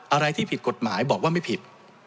อะไรที่ผิดกฎหมายบอกว่าไม่ผิด